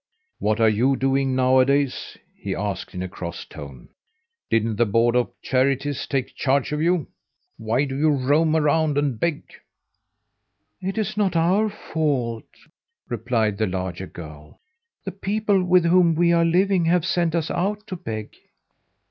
"What are you doing nowadays?" he asked in a cross tone. "Didn't the board of charities take charge of you? Why do you roam around and beg?" "It's not our fault," replied the larger girl. "The people with whom we are living have sent us out to beg."